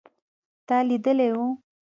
تا لیدلی و